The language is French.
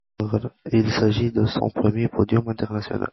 Il s'agit de son premier podium international.